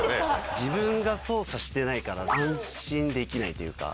自分が操作してないから安心できないというか。